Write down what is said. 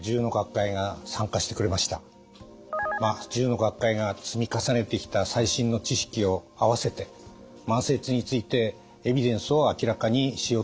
１０の学会が積み重ねてきた最新の知識を合わせて慢性痛についてエビデンスを明らかにしようとしました。